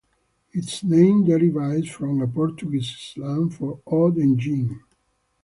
Its name derives from a Portuguese slang for "odd engine".